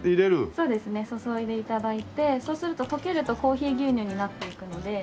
そうですね注いで頂いてそうすると溶けるとコーヒー牛乳になっていくので。